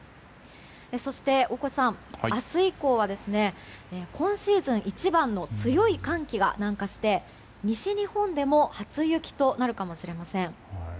そして、大越さん明日以降は今シーズン一番の強い寒気が南下して西日本でも初雪となるかもしれません。